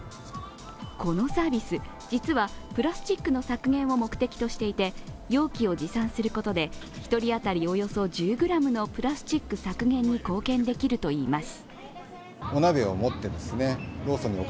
このサービス、実はプラスチックの削減を目的としていて容器を持参することで１人当たりおよそ１０ｇのプラスチック削減に貢献できるといいます。